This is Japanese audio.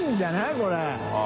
これ。